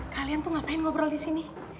kalian tuh ngapain ngobrol disini